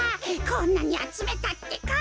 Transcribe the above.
こんなにあつめたってか。